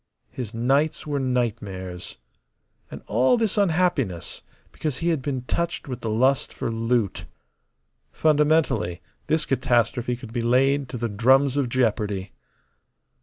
His nights were nightmares. And all this unhappiness because he had been touched with the lust for loot. Fundamentally, this catastrophe could be laid to the drums of jeopardy.